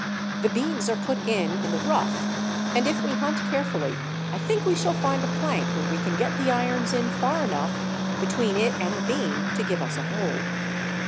"The beams are put in in the rough, and if we hunt carefully, I think we shall find a plank where we can get the irons in far enough, between it and the beam, to give us a hold."